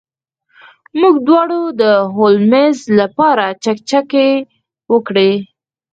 موږ دواړو د هولمز لپاره چکچکې وکړې.